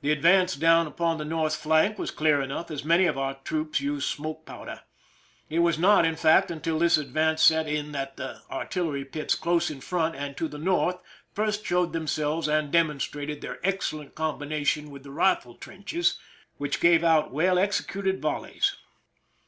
The advance down upon the north flank was clear enough, as many of our troops used smoke powder ; it was not, in fact, until this advance set in that the artillery pits close in front and to the north first showed themselves and demonstrated their excellent combination with the rifle trenches, which gave out well executed volleys.